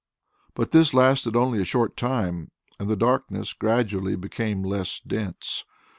But this lasted only a short time, and the darkness gradually became less dense.